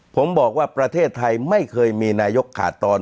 ผมบอกว่าประเทศไทยไม่เคยมีนายกขาดตอน